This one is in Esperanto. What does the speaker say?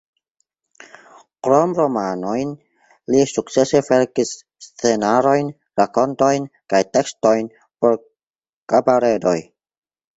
Krom romanojn li sukcese verkis scenarojn, rakontojn kaj tekstojn por kabaredoj.